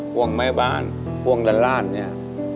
ห่วงไม้บานห่วงร้านนี่